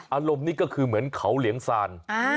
อารมณ์นี้ก็คือเหมือนเขาเหลียงซาน